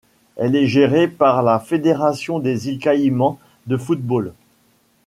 Elle est gérée par la Fédération des Îles Caïmans de football.